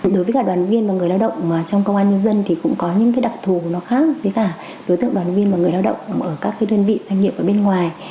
đối với cả đoàn viên và người lao động trong công an nhân dân thì cũng có những đặc thù nó khác với cả đối tượng đoàn viên và người lao động ở các đơn vị doanh nghiệp ở bên ngoài